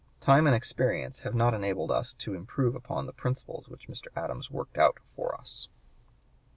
Time and experience have not enabled us to improve upon the principles which Mr. Adams worked out for us.